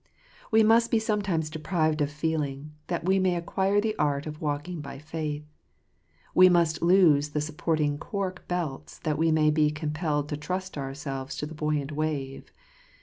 We must be sometimes deprived of feeling, that we may acquire the art of walking by faith. We must lose the supporting cork belts that we may be compelled to trust ourselves to the buoyant wave.